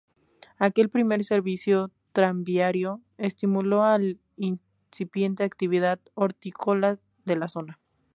Aquel primer servicio tranviario estimuló la incipiente actividad hortícola de la zona.